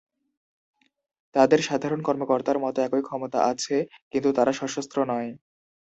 তাদের সাধারণ কর্মকর্তার মত একই ক্ষমতা আছে, কিন্তু তারা সশস্ত্র নয়।